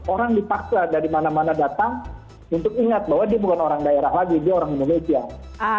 orang dipaksa dari mana mana datang untuk ingat bahwa dia bukan orang daerah lagi dia orang indonesia